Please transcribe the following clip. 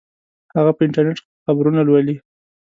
هغه په انټرنیټ خبرونه لولي